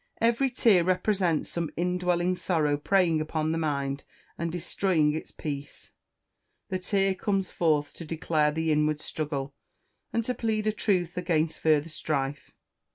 Every tear represents some in dwelling sorrow preying upon the mind and destroying its peace. The tear comes forth to declare the inward struggle, and to plead a truce against further strife.